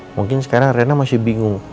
mungkin sekarang rena masih bingung